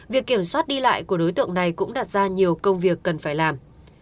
việc kiểm soát đi lại của đối tượng này cũng đặt ra nhiều công việc cần phải làm